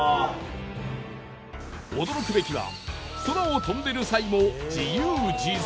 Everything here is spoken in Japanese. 驚くべきは空を飛んでる際も自由自在。